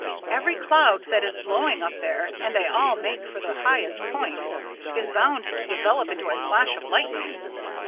Every cloud that is blowing up here and they all make for the highest point is bound to develop into a flash of lightning.